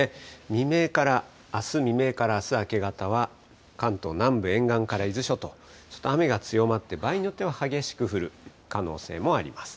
未明から、あす未明からあす明け方は、関東南部、沿岸から伊豆諸島、ちょっと雨が強まって場合によっては激しく降る可能性もあります。